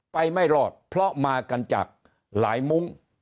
ไม่รอดเพราะมากันจากหลายมุ้ง